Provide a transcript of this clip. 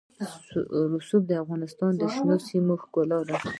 رسوب د افغانستان د شنو سیمو ښکلا ده.